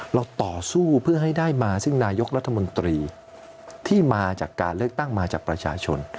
ต่อสู้เพื่อให้ได้มาซึ่งนายกรัฐมนตรีที่มาจากการเลือกตั้งมาจากประชาชน